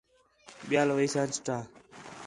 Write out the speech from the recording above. ٻِیال ویساں چٹاں